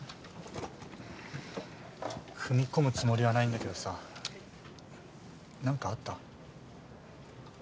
踏み込むつもりはないんだけどさなんかあった？